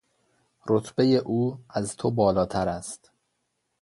رتبهی او از تو بالاتر است.